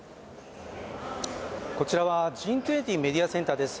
こちらはＧ２０メディアセンターです。